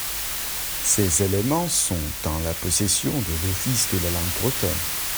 Ces éléments sont en la possession de l’Office de la Langue Bretonne.